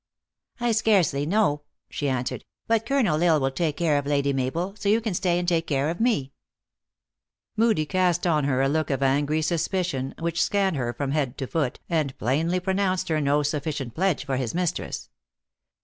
" I scarcely know," she answered; "but Colonel L Isle will take care of Lady Mabel, so you can stay and take care of me." Moodie cast on her a look of angry suspicion, which scanned her from head to foot, and plainly pronounced 11 250 THE ACTRESS IN HIGH LIFE. her no sufficient pledge for his mistress.